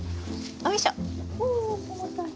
よいしょ！